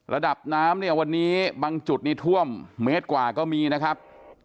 ระดับน้ำเนี่ยวันนี้บางจุดนี้ท่วมเมตรกว่าก็มีนะครับ